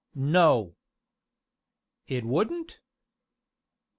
"No!" "It wouldn't?"